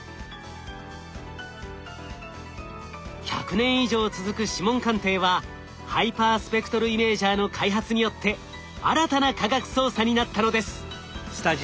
１００年以上続く指紋鑑定はハイパースペクトルイメージャーの開発によって新たな科学捜査になったのです。